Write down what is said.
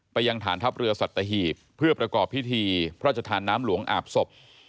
ยังฐานทัพเรือสัตหีบเพื่อประกอบพิธีพระราชทานน้ำหลวงอาบศพ